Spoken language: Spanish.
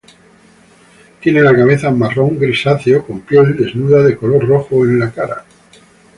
Tiene la cabeza marrón grisáceo, con piel desnuda de color rojo en la cara.